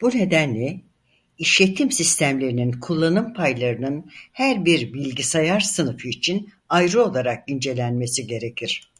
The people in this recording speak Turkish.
Bu nedenle işletim sistemlerinin kullanım paylarının her bir bilgisayar sınıfı için ayrı olarak incelenmesi gerekir.